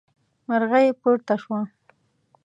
مرغۍ پورته شوه.